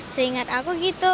seingat aku gitu